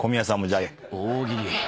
大喜利。